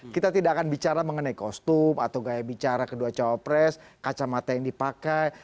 kita tidak akan bicara mengenai kostum atau gaya bicara kedua cowok pres kacamata yang dipakai